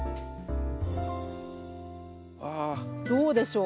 どうでしょう？